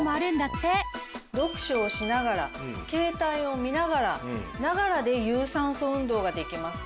読書をしながら携帯を見ながら「ながら」で有酸素運動ができます。